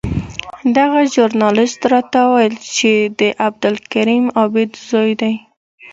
دغه ژورنالېست راته وویل چې د عبدالکریم عابد زوی دی.